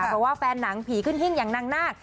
เพราะว่าแฟนหนังผีขึ้นหิ้งอย่างนางนาค